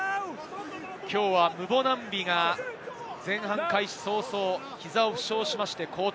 きょうはムボナンビが前半開始早々、膝を負傷して交代。